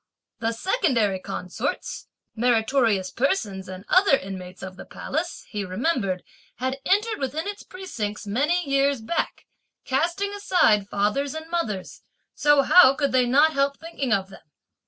The secondary consorts, meritorious persons and other inmates of the Palace, he remembered, had entered within its precincts many years back, casting aside fathers and mothers, so how could they not help thinking of them?